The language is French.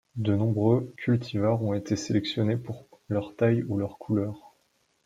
De nombreux cultivars ont été sélectionnés pour leur taille ou leur couleur.